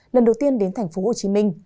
lần đầu tiên đến tp hcm